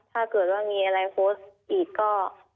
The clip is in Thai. ถ้าเกิดว่ามีอะไรโพสต์อีกก็